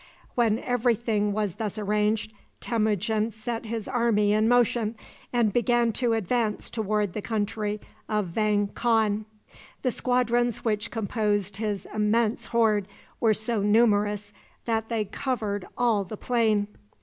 When every thing was thus arranged, Temujin set his army in motion, and began to advance toward the country of Vang Khan. The squadrons which composed his immense horde were so numerous that they covered all the plain.